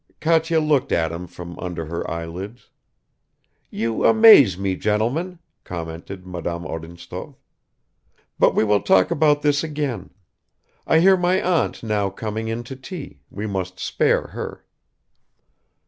Katya looked at him from under her eyelids. "You amaze me, gentlemen," commented Madame Odintsov, "but we will talk about this again. I hear my aunt now coming in to tea we must spare her."